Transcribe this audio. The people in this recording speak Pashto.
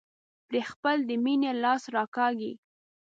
پرې خپل د مينې لاس راکاږي.